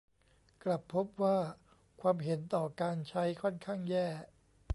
กลับพบว่าความเห็นต่อการใช้ค่อนข้างแย่